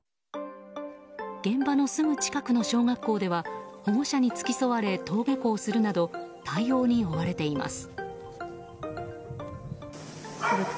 現場のすぐ近くの小学校では保護者に付き添われ登下校するなど対応に追われています。